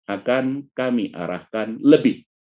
akan kami arahkan lebih